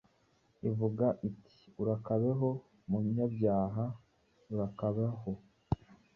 ivuga iti: “Urakabaho, munyabyaha, urakabaho!